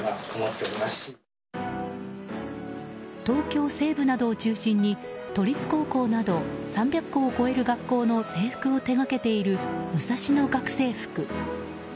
東京西部などを中心に都立高校など３００校を超える学校の制服を手掛けているムサシノ学生服。